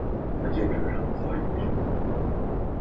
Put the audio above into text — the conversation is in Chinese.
这架飞机由电商亚马逊下属的执飞。